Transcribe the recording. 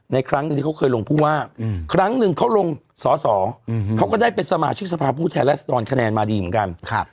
ในครั้งนี้เขาเคยลงผู้ว่าครั้งนึงเขาลงสอสอเขาก็ได้เป็นสมาชิกสภาพภูมิแทนและสดรแคนนมาดีเหมือนกัน